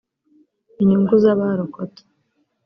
inyungu z’abarokotse